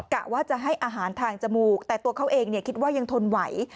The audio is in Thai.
กะว่าจะให้อาหารทางจมูกแต่ตัวเขาเองคิดว่ายังทนไหว